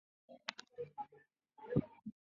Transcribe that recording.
农委会已修法